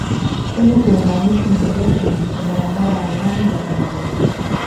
Tangu kuunganishwa na Dar es Salaam kwa barabara ya lami Bagamoyo